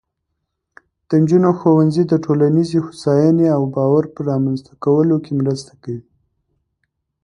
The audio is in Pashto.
د نجونو ښوونځی د ټولنیزې هوساینې او باور په رامینځته کولو کې مرسته کوي.